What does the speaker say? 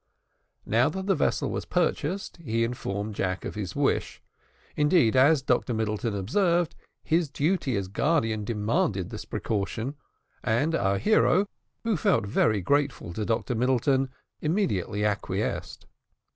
Now that the vessel was purchased, he informed Jack of his wish; indeed, as Dr Middleton observed, his duty as guardian demanded this precaution, and our hero, who felt very grateful to Dr Middleton, immediately acquiesced.